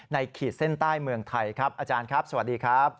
ขีดเส้นใต้เมืองไทยครับอาจารย์ครับสวัสดีครับ